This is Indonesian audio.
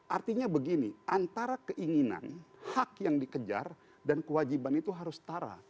artinya begini antara keinginan hak yang dikejar dan kewajiban itu harus setara